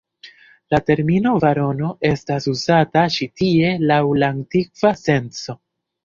La termino barono estas uzata ĉi-tie laŭ la antikva senco.